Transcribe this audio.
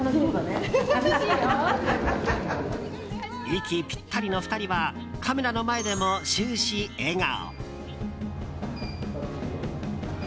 息ぴったりの２人はカメラの前でも終始笑顔。